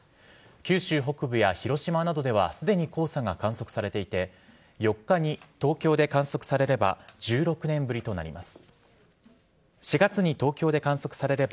九州北部や広島などではすでに黄砂が観測されていて４月に東京で観測されれば１６年ぶりとなります。